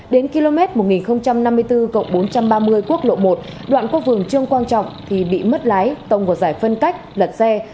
đến km một nghìn năm mươi bốn cộng bốn trăm ba mươi quốc lộ một đoạn cò phường trương quang trọng thì bị mất lái tông gọt dài phân cách lật xe